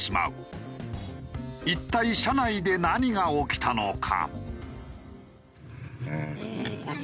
一体車内で何が起きたのか？